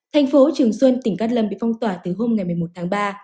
thành phố trường xuân tỉnh cát lâm bị phong tỏa từ hôm một mươi một tháng ba